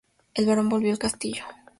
El barón volvió al castillo.